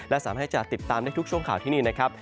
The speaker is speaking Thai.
และสามารถให้จะติดตามได้ทุกช่วงข่าวที่นี่นะครับ